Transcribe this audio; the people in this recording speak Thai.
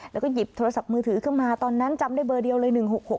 แล้วก็หยิบโทรศัพท์มือถือขึ้นมาตอนนั้นจำได้เบอร์เดียวเลย๑๖๖